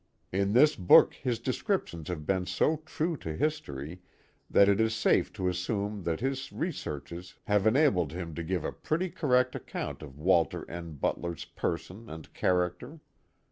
In this book his descriptions have been so true to history that it is safe to assume that his researches have enabled him to give a pretty correct account of Walter N. Butler's person and character.